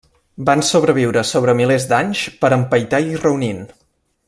Van sobreviure sobre milers d'anys per empaitar i reunint.